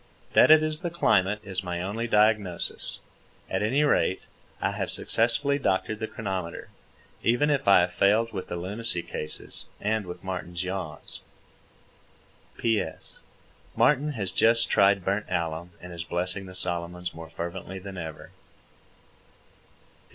That it is the climate is my only diagnosis. At any rate, I have successfully doctored the chronometer, even if I have failed with the lunacy cases and with Martin's yaws. P.S. Martin has just tried burnt alum, and is blessing the Solomons more fervently than ever.